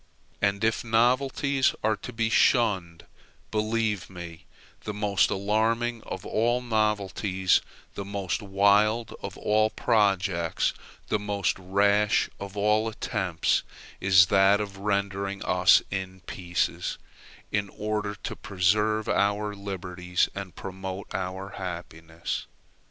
And if novelties are to be shunned, believe me, the most alarming of all novelties, the most wild of all projects, the most rash of all attempts, is that of rendering us in pieces, in order to preserve our liberties and promote our happiness.